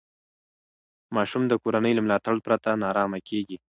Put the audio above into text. ماشوم د کورنۍ له ملاتړ پرته نارامه کېږي.